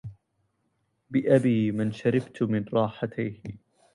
بأبي من شربت من راحتيه